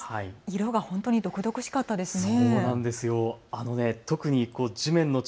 色が本当に毒々しかったですね。